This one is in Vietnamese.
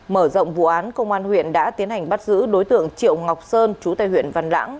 mở rộng vụ án công an huyện đã tiến hành bắt giữ đối tượng triệu ngọc sơn chú tây huyện văn lãng